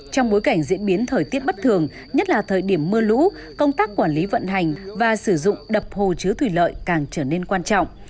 trong bối cảnh diễn biến thời tiết bất thường nhất là thời điểm mưa lũ công tác quản lý vận hành và sử dụng đập hồ chứa thủy lợi càng trở nên quan trọng